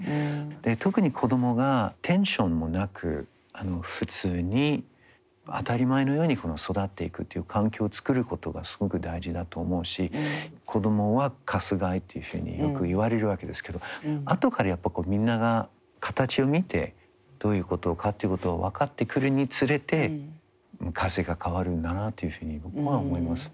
特に子供がテンションもなく普通に当たり前のように育っていくという環境をつくることがすごく大事だと思うし子供は鎹というふうによく言われるわけですけどあとからやっぱみんなが形を見てどういうことかっていうことを分かってくるにつれて風が変わるんだなというふうに僕は思いますね。